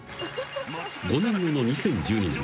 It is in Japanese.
［５年後の２０１２年］